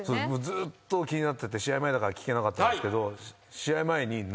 ずーっと気になってて試合前だから聞けなかったんですけど。